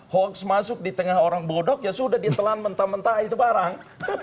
hoax masuk di tengah orang bodoh ya sudah ditelan mentah mentah itu barang